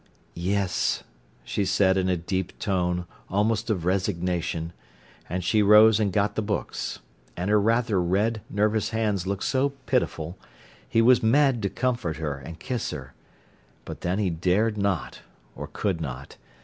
"Yes," she said in a deep tone, almost of resignation. And she rose and got the books. And her rather red, nervous hands looked so pitiful, he was mad to comfort her and kiss her. But then he dared not—or could not.